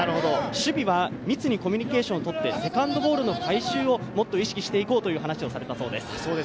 守備は密にコミュニケーションをとってセカンドボールの回収をもっと意識していこうという話をされたそうです。